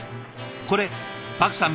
これパクさん